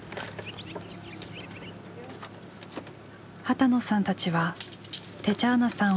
波多野さんたちはテチャーナさん